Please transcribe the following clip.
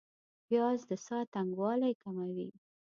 پیاز د ساه تنګوالی کموي